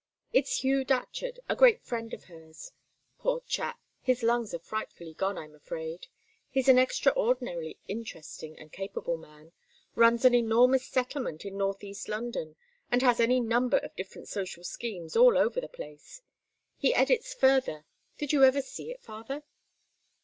"It's Hugh Datcherd, a great friend of hers; poor chap, his lungs are frightfully gone, I'm afraid. He's an extraordinarily interesting and capable man; runs an enormous settlement in North East London, and has any number of different social schemes all over the place. He edits Further do you ever see it, father?"